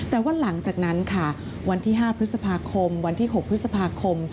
แต่ว่าหลังจากนั้นค่ะวันที่๕พฤษภาคมวันที่๖พฤษภาคม